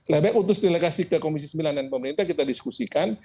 lebih baik utus delegasi ke komisi sembilan dan pemerintah kita diskusikan